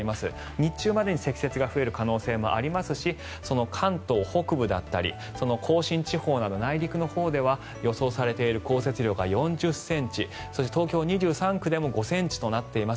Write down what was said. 日中までに積雪が増える可能性もありますし関東北部だったり甲信地方内陸のほうでは予想されている降雪量が４０ｃｍそして東京２３区でも５ｃｍとなっています。